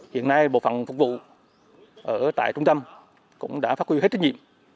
hiện nay bộ phận phục vụ ở tại trung tâm cũng đã phát quy hết trách nhiệm